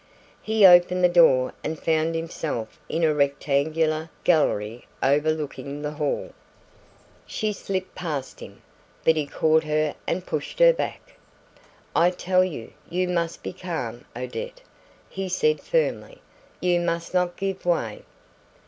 He opened the door and found himself in a rectangular gallery overlooking the hall. She slipped past him, but he caught her and pushed her back. "I tell you, you must be calm, Odette," he said firmly, "you must not give way.